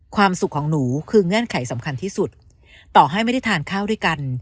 ความสุขของหนูคือเงื่อนไขสำคัญที่สุดต่อให้ไม่ได้ทานข้าวด้วยกัน